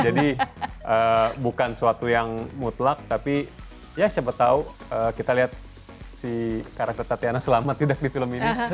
jadi bukan suatu yang mutlak tapi ya siapa tau kita lihat si karakter tatiana selamat tidak di film ini